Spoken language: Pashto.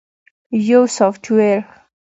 - یو سافټویر 📦